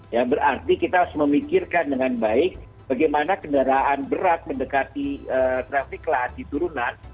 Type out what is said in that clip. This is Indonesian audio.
ya berarti kita harus memikirkan dengan baik bagaimana kendaraan berat mendekati traffic light di turunan